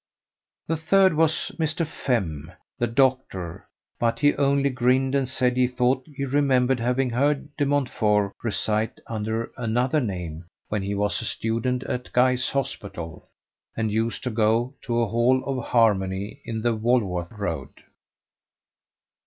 The third was Mr. Femm, the doctor, but he only grinned, and said he thought he remembered having heard De Montfort recite under another name when he was a student at Guy's Hospital, and used to go to a Hall of Harmony in the Walworth Road.